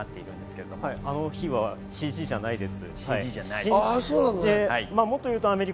あの火はＣＧじゃないです。